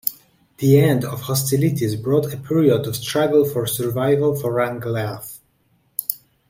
The end of hostilities brought a period of struggle for survival for Ranelagh.